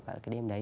cả cái đêm đấy